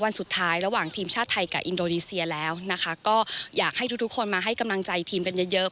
วันสุดท้ายระหว่างทีมชาติไทยกับอินโดนีเซียแล้วนะคะก็อยากให้ทุกทุกคนมาให้กำลังใจทีมกันเยอะเยอะ